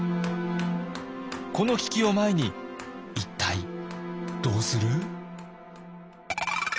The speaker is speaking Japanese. この危機を前に一体どうする？